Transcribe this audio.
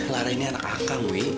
lara ini anak akang wi